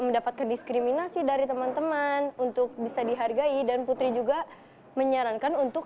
mendapatkan diskriminasi dari teman teman untuk bisa dihargai dan putri juga menyarankan untuk